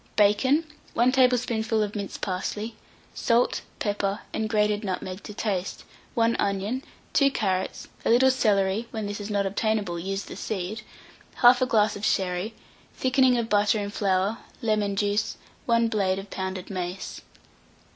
bacon, 1 tablespoonful of minced parsley, salt, pepper, and grated nutmeg to taste; 1 onion, 2 carrots, a little celery (when this is not obtainable, use the seed), 1/2 glass of sherry, thickening of butter and flour, lemon juice, 1 blade of pounded mace.